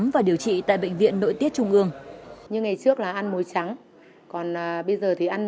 và điều trị tại bệnh viện nội tiết trung ương